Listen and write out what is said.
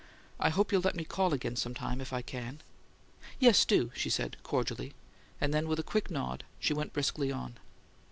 I hope you'll let me call again some time, if I can." "Yes, do!" she said, cordially, and then, with a quick nod, went briskly on.